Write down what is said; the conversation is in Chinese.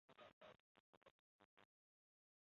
红点梯形蟹为扇蟹科梯形蟹属的动物。